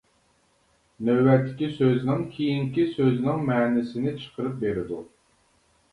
نۆۋەتتىكى سۆزنىڭ كېيىنكى سۆزنىڭ مەنىسىنى چىقىرىپ بېرىدۇ.